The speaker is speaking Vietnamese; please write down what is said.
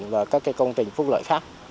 và các công trình phúc lợi khác